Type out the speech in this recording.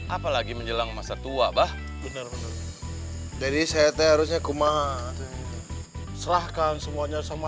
apalagi menjelang masa tua bahwa benar benar jadi setelah kumat serahkan semuanya sama